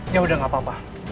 ya udah gak apa apa